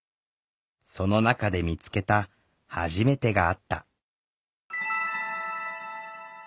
その中で見つけた「はじめて」があった。